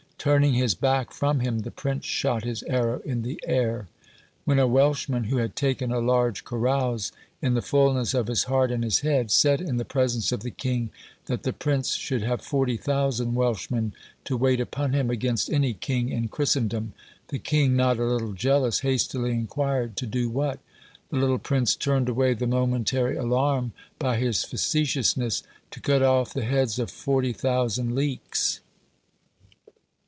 Turning his back from him, the prince shot his arrow in the air. When a Welshman, who had taken a large carouse, in the fulness of his heart and his head, said in the presence of the king, that the prince should have 40,000 Welshmen, to wait upon him against any king in Christendom; the king, not a little jealous, hastily inquired, "To do what?" The little prince turned away the momentary alarm by his facetiousness: "To cut off the heads of 40,000 leeks."